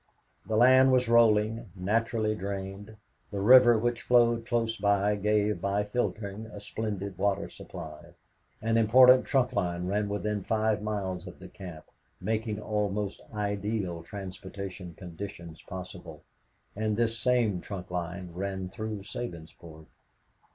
The land was rolling, naturally drained, the river which flowed close by gave, by filtering, a splendid water supply. An important trunk line ran within five miles of the camp, making almost ideal transportation conditions possible, and this same trunk line ran through Sabinsport.